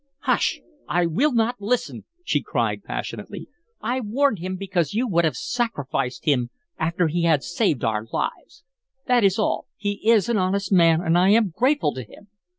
"Hush! I will not listen!" she cried, passionately. "I warned him because you would have sacrificed him after he had saved our lives. That is all. He is an honest man, and I am grateful to him.